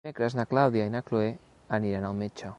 Dimecres na Clàudia i na Cloè aniran al metge.